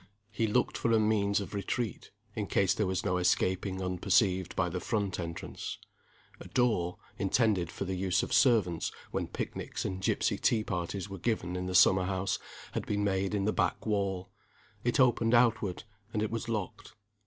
He looked for a means of retreat, in case there was no escaping unperceived by the front entrance. A door intended for the use of servants, when picnics and gipsy tea parties were given in the summer house had been made in the back wall. It opened outward, and it was locked.